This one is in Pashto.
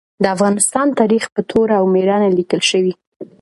د افغانستان تاریخ په توره او مېړانه لیکل شوی.